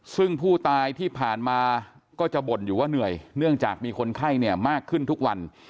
ซึ่งผู้ตายที่ผ่านมาก็จะบ่นอยู่ว่าเหนื่อยเนื่องจากมีคนไข้เนี่ยมากขึ้นทุกวัน